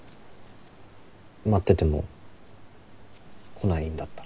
待ってても来ないんだったら。